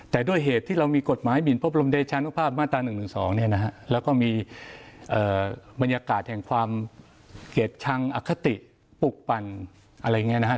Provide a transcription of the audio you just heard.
แต่ด้วยเหตุที่เรามีกฎหมายหมินพบรมเดชานุภาพมาตรา๑๑๒เนี่ยนะฮะแล้วก็มีบรรยากาศแห่งความเกลียดชังอคติปลุกปั่นอะไรอย่างนี้นะครับ